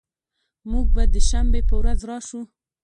مونږ به د شنبې په ورځ راشو